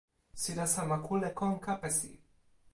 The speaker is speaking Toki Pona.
sina sama kule kon kapesi.